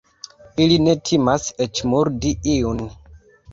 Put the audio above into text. Ili ne timas eĉ murdi iun.